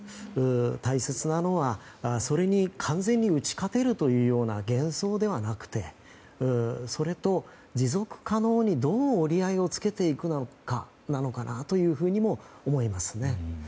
大切なのはそれに完全に打ち勝てるというような幻想ではなくてそれと持続可能にどう折り合いをつけていくのかなのかなとも思いますね。